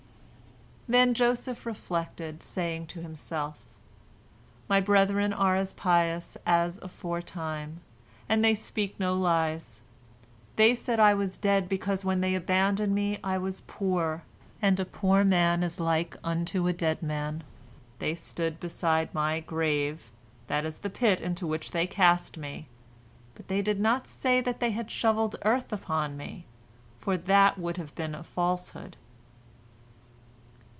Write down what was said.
Then Joseph reflected, saying to himself: "My brethren are as pious as aforetime, and they speak no lies. They said I was dead, because when they abandoned me, I was poor, and 'a poor man is like unto a dead man;' they stood beside my grave, that is the pit into which they cast me; but they did not say that they had shovelled earth upon me, for that would have been a falsehood."